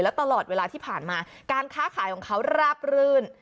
และตลอดเวลาที่ผ่านมาการค้าขายของเขาราบรื่น